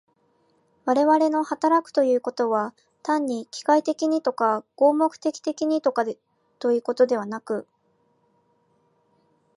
我々の働くということは、単に機械的にとか合目的的にとかいうことでなく、